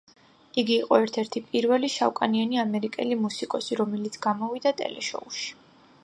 იგი იყო ერთ-ერთი პირველი შავკანიანი ამერიკელი მუსიკოსი, რომელიც გამოვიდა ტელეშოუში.